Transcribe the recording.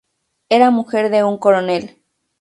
Era mujer de un coronel.